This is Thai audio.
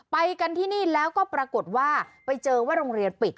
ไปกันที่นี่แล้วก็ปรากฏว่าไปเจอว่าโรงเรียนปิด